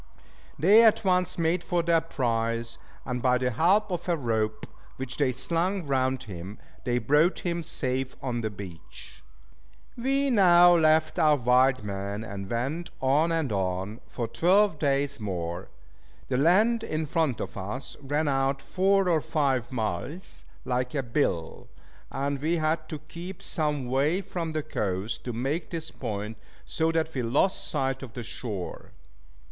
They at once made for their prize; and by the help of a rope, which they slung round him, they brought him safe on the beach. We now left our wild men, and went on and on, for twelve days more. The land in front of us ran out four or five miles, like a bill; and we had to keep some way from the coast, to make this point, so that we lost sight of the shore.